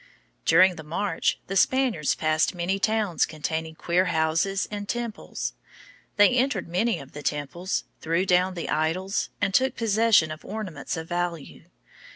During the march the Spaniards passed many towns containing queer houses and temples. They entered many of the temples, threw down the idols, and took possession of ornaments of value.